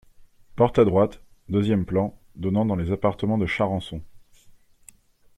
Porte à droite, deuxième plan, donnant dans les appartements de Charançon.